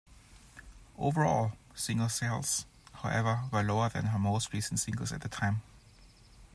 Overall single sales, however, were lower than her most recent singles at the time.